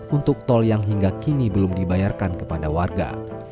untuk tol yang hingga kini belum dibayarkan kepada warga